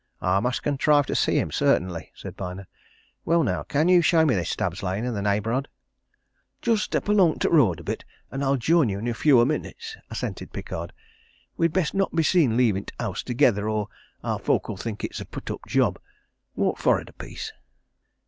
"I must contrive to see him, certainly," said Byner. "Well, now, can you show me this Stubbs' Lane and the neighbourhood?" "Just step along t' road a bit and I'll join you in a few o' minutes," assented Pickard. "We'd best not be seen leavin t' house together, or our folk'll think it's a put up job. Walk forrard a piece."